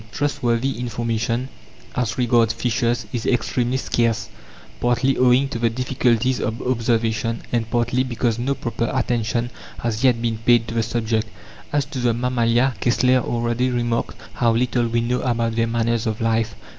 Trustworthy information as regards fishes is extremely scarce, partly owing to the difficulties of observation, and partly because no proper attention has yet been paid to the subject. As to the mammalia, Kessler already remarked how little we know about their manners of life.